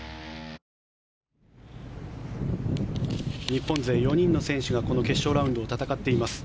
日本勢４人の選手がこの決勝ラウンドを戦っています。